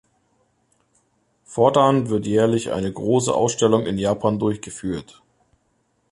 Fortan wird jährlich eine große Ausstellung in Japan durchgeführt.